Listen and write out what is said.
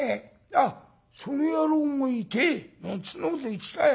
「あっその野郎も『痛え』なんてそんなこと言ってたよ。